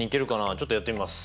ちょっとやってみます。